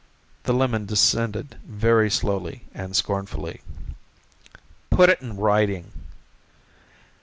The lemon descended very slowly and scornfully. "Put it in writing."